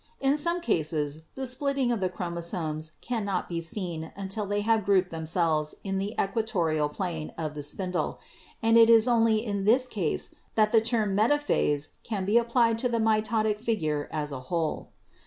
In some cases the splitting of the chromosomes cannot be seen until they have grouped themselves in the equatorial plane of the spindle, and it is only in this case that the term 'metaphase' can be applied to the mitotic figure as a whole.